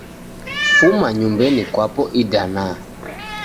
Fuma nyumbenyi kwapo idanaa.